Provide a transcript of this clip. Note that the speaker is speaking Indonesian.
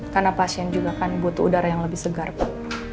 karena pasien juga kan butuh udara yang lebih segar pak